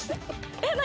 えっ何？